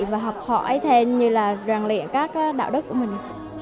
và học hỏi thêm như là ràng lệ các đạo đức của mình